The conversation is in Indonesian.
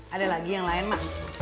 ada lagi yang lain mak